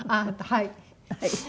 はい。